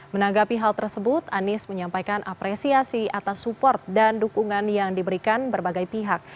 menanggapi hal tersebut anies menyampaikan apresiasi atas support dan dukungan yang diberikan berbagai pihak